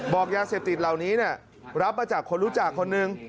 บอกยาเสพติดเหล่านี้รับมาจากคนรู้จักคนหนึ่ง